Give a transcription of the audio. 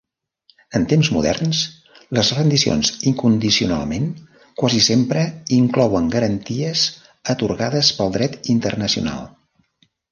En temps moderns, les rendicions incondicionalment quasi sempre inclouen garanties atorgades pel dret internacional.